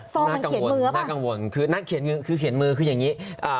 ซองมันเขียนมือหรือเปล่าน่ากังวลคือเขียนมือคืออย่างนี้